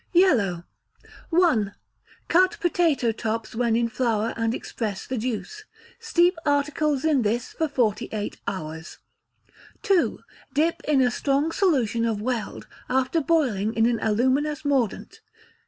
Yellow. i. Cut potato tops when in flower, and express the juice; steep articles in this for forty eight hours. ii. Dip in a strong solution of weld after boiling in an aluminous mordant.